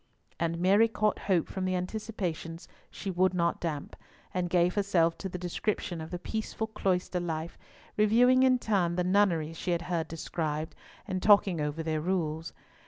And Mary caught hope from the anticipations she would not damp, and gave herself to the description of the peaceful cloister life, reviewing in turn the nunneries she had heard described, and talking over their rules.